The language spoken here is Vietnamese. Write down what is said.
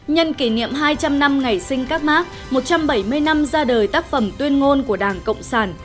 nhân kỷ niệm hai trăm linh năm ngày sinh các mark một trăm bảy mươi năm ra đời tác phẩm tuyên ngôn của đảng cộng sản